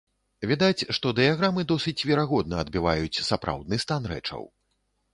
Відаць, што дыяграмы досыць верагодна адбіваюць сапраўдны стан рэчаў.